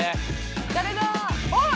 誰だ？